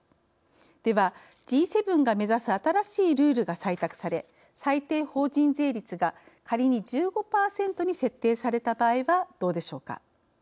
ではＧ７が目指す新しいルールが採択され最低法人税率が仮に１５％に設定された場合はどうでしょうか。